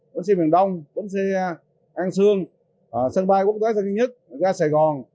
bến xe miền đông bến xe an sương sân bay quốc tế sân nhân nhất ra sài gòn